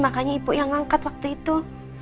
makanya ibu yang ngangkat waktu itu